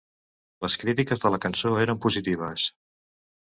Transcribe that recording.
Les crítiques de la cançó eren positives.